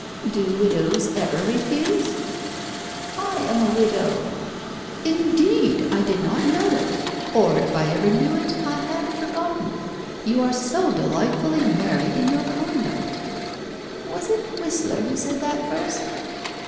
"Do widows ever refuse?" "I am a widow." "Indeed! I did not know it, or, if I ever knew it, I had forgotten. You are so delightfully married in your conduct." "Was it Whistler who said that first?"